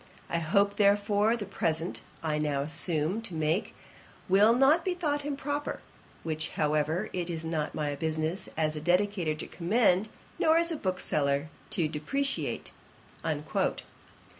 I hope, therefore, the present I now presume to make, will not be thought improper; which, however, it is not my business as a dedicator to commend, nor as a bookseller to depreciate.'